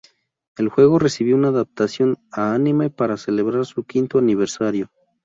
El juego recibió una adaptación a anime para celebrar su quinto aniversario.